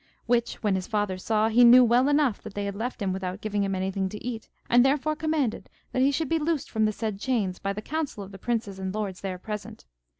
Which when his father saw, he knew well enough that they had left him without giving him anything to eat, and therefore commanded that he should be loosed from the said chains, by the counsel of the princes and lords there present.